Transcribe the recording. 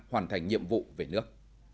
hoàn thành nhiệm vụ về nước